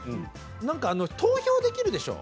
投票できるでしょう